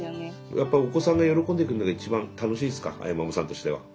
やっぱお子さんが喜んでくれるのが一番楽しいっすかあやままさんとしては。